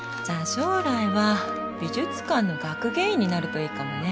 将来は美術館の学芸員になるといいかもね